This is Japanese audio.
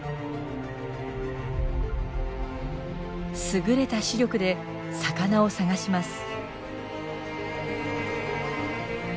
優れた視力で魚を探します。